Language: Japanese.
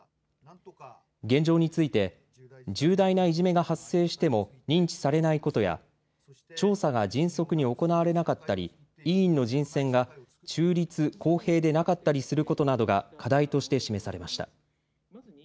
現状について重大ないじめが発生しても認知されないことや調査が迅速に行われなかったり委員の人選が中立・公平でなかったりすることなどが課題として示されました。